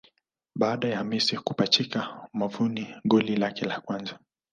Baada ya Messi kupachika wavuni goli lake la kwanza